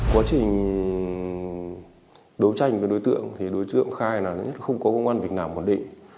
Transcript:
quá trình đấu tranh với đối tượng thì đối tượng khai là không có công an vịnh nào hoàn định